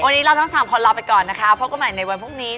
วันนี้เราทั้งสามคนลาไปก่อนนะคะพบกันใหม่ในวันพรุ่งนี้